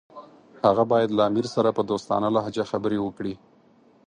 هغه باید له امیر سره په دوستانه لهجه خبرې وکړي.